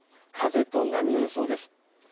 風と波の予想です。